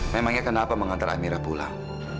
memangnya kenapa mengantar amira pulang